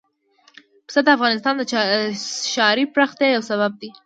پسه د افغانستان د ښاري پراختیا یو سبب دی.